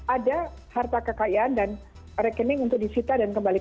ada harta kekayaan dan rekening untuk disita dan kembalikan